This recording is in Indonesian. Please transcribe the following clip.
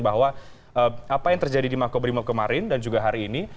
bahwa apa yang terjadi di makobrimo kemarin dan juga hari ini